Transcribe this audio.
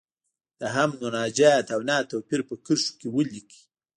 د حمد، مناجات او نعت توپیر په کرښو کې ولیکئ.